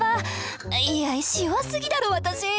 いや意志弱すぎだろ私！